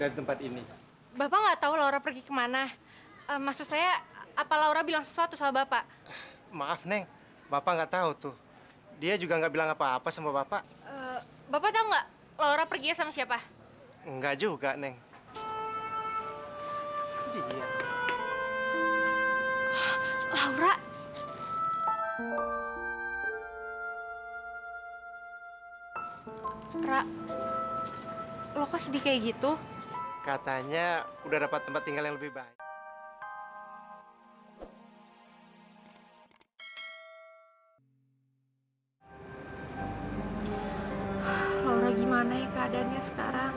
laura gimana ya keadaannya sekarang